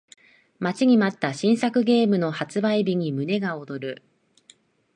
待ちに待った新作ゲームの発売日に胸が躍る